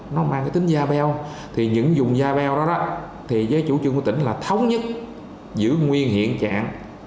nó mang tính da beo thì những vùng da beo đó với chủ trương của tỉnh là thống nhất giữ nguyên hiện trạng